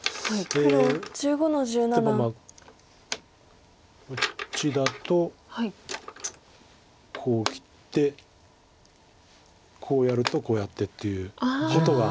例えばこっちだとこうきてこうやるとこうやってっていうことが。